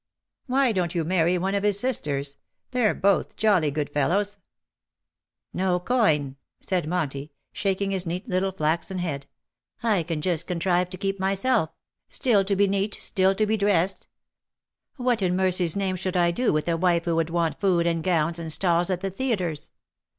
Why donH you marry one of his sisters ?— they're both jolly good fellows/' '^ No coin,'' said Monty, shaking his neat little flaxen head. " I can just contrive to keep myself 136 ^' GAI DONC, LA VOYAGEUSE, —' still to be neat, still to be drest/ What in mercy^s name should I do with a wife who would want food and gowns, and stalls at the theatres